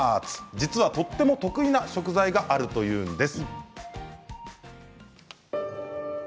実は、とても得意な食材があるということです。